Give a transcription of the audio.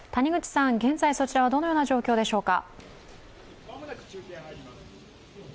現在そちらはどのような状況でしょうか？